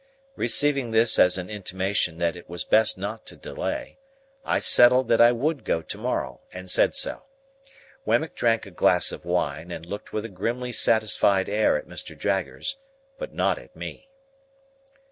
Receiving this as an intimation that it was best not to delay, I settled that I would go to morrow, and said so. Wemmick drank a glass of wine, and looked with a grimly satisfied air at Mr. Jaggers, but not at me.